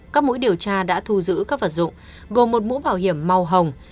các mũi điều tra đã thu giữ các vật dụng gồm một mũ bảo hiểm màu hồng